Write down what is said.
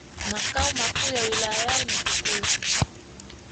Makao makuu ya wilaya yao ni Tukuyu